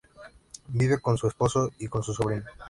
Vive con su esposo y con su sobrino.